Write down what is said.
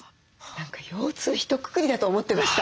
何か腰痛ひとくくりだと思ってました。